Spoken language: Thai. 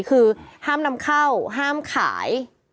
คือห้ามนำเข้าห้ามขาย